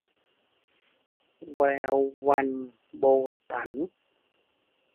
แวววัน - โบตั๋น